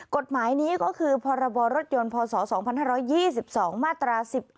กฎหมายนี้ก็คือพรบรถยนต์พศ๒๕๒๒มาตรา๑๑